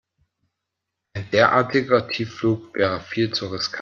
Ein derartiger Tiefflug wäre viel zu riskant.